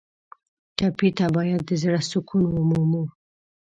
ټپي ته باید د زړه سکون ومومو.